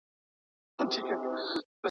نړیوالو مارکیټونو د افغان زعفرانو غوښتنه کوله.